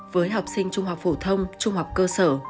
với học sinh trung học phổ thông trung học cơ sở